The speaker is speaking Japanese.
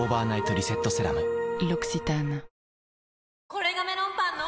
これがメロンパンの！